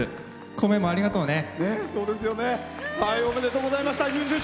幸芽もありがとうね。